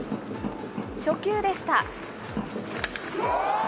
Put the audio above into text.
初球でした。